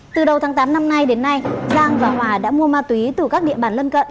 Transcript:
từ đầu tháng tám năm nay đến nay giang và hòa đã mua ma túy từ các địa bàn lân cận